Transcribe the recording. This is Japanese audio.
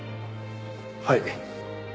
はい。